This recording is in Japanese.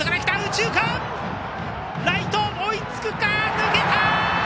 抜けた！